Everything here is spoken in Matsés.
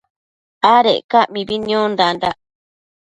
Adec ca mibi niondandac